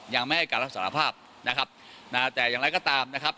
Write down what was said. ยังไม่ให้การรับสารภาพนะครับนะแต่อย่างไรก็ตามนะครับ